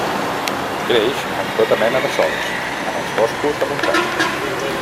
Creix en tota mena de sòls, en els boscos de muntanya.